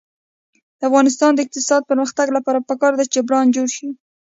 د افغانستان د اقتصادي پرمختګ لپاره پکار ده چې برانډ جوړ شي.